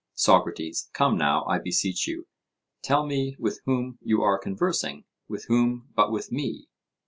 SOCRATES: Come, now, I beseech you, tell me with whom you are conversing? with whom but with me?